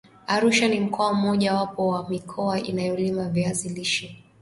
Arusha ni mkoa mmoja wapo wa mikoa inayolima viazi lishe